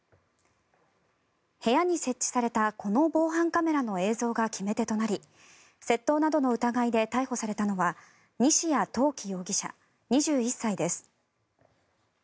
部屋に設置されたこの防犯カメラの映像が決め手となり窃盗などの疑いで逮捕されたのは西谷龍樹容疑者、２１歳です。